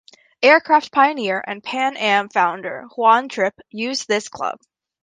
Aircraft pioneer and Pan Am founder Juan Trippe used this club.